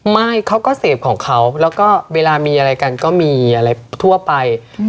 ไม่เขาก็เสพของเขาแล้วก็เวลามีอะไรกันก็มีอะไรทั่วไป